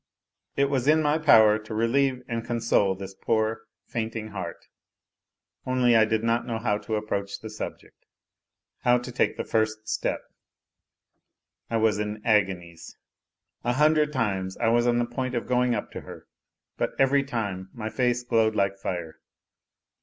It was in my power to relieve and console this poor, fainting heart, only I did not know how to approach the subject, how to take the first step. I was in agonies. A hundred times I was on the point of going up to her, but every time my face glowed like fire.